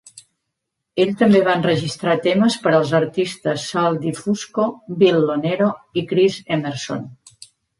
Ell també va enregistrar temes per als artistes Sal DiFusco, Bill Lonero i Chris Emerson.